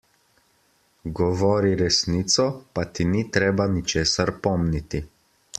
Govori resnico, pa ti ni treba ničesar pomniti.